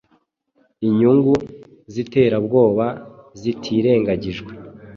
inyungu ziterabwoba zitirengagijwe